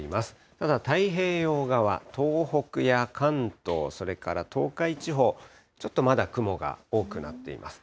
ただ太平洋側、東北や関東、それから東海地方、ちょっとまだ雲が多くなっています。